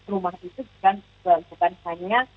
rumah itu bukan hanya